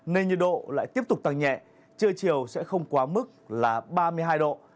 nên nhiệt độ lại tiếp tục tăng nhẹ trưa chiều sẽ không quá mức là ba mươi hai độ